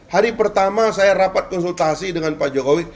hari pertama saya rapat konsultasi dengan pak jokowi